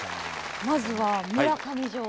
まずは村上城。